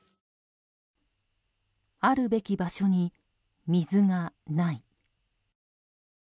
あるべき場所に、水がない。